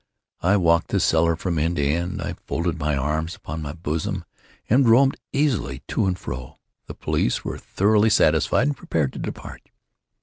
I walked the cellar from end to end. I folded my arms upon my bosom, and roamed easily to and fro. The police were thoroughly satisfied and prepared to depart.